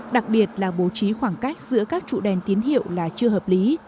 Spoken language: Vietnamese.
đặc biệt là bố trí khoảng cách giữa các trụ đèn tín hiệu là chưa hợp lý